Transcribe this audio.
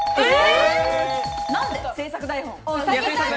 制作台本。